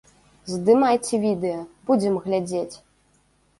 Здымайце відэа, будзем глядзець!